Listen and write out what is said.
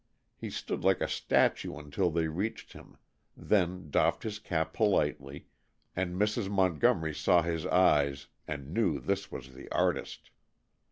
He stood like a statue until they reached him, then doffed his cap politely, and Mrs. Montgomery saw his eyes and knew this was the artist.